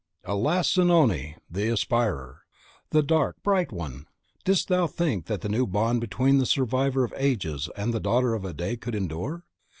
Alas, Zanoni! the aspirer, the dark, bright one! didst thou think that the bond between the survivor of ages and the daughter of a day could endure?